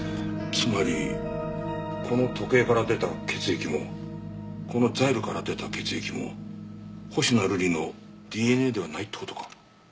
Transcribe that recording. つまりこの時計から出た血液もこのザイルから出た血液も星名瑠璃のＤＮＡではないって事か？